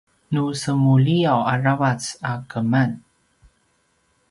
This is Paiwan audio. nu semuliyaw aravac a keman